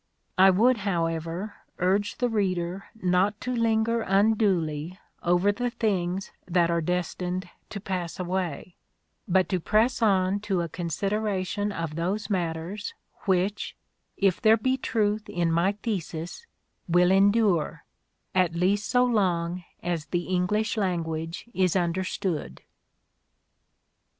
I would, however, urge the reader not to linger unduly over the things that are destined to pass away, but to press on to a considera tion of those matters which, if there be truth in my thesis, will endure, at least so long as the English language is understood.